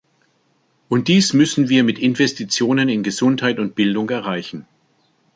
Und dies müssen wir mit Investitionen in Gesundheit und Bildung erreichen.